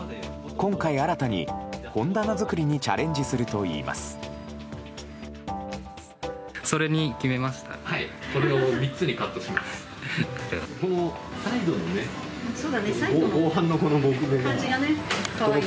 今回、新たに本棚作りにチャレンジするといいます。